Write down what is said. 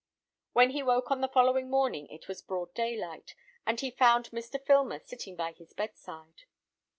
When he woke on the following morning it was broad daylight, and he found Mr. Filmer sitting by his bedside.